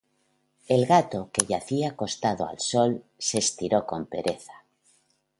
El gato, que yacía acostado al sol, se estiró con pereza.